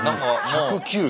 １０９。